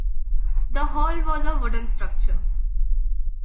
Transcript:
The hall was a wooden structure.